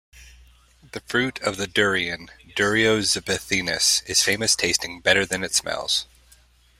The fruit of the durian, "Durio zibethinus" is famous, tasting better than it smells.